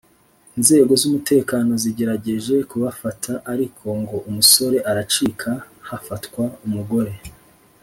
inzego z’umutekano zagerageje kubafata ariko ngo umusore aracika hafatwa umugore